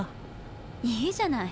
いいじゃない。